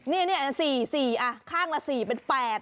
นี่๔๔ข้างละ๔เป็น๘